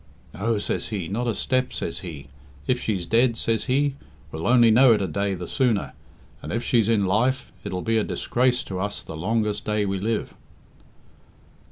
"'No,' says he, 'not a step,' says he. 'If she's dead,' says he, 'we'll only know it a day the sooner, and if she's in life, it'll be a disgrace to us the longest day we live.'"